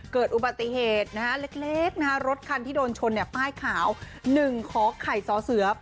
เกิดอุบัติเหตุเล็กรถคันที่โดนชนป้ายขาว๑ขอไข่ซ้อเสื้อ๘๓๕๙